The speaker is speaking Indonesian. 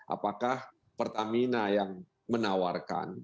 apakah pertamina yang menawarkan